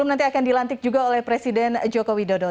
nanti akan dilantik juga oleh presiden joko widodo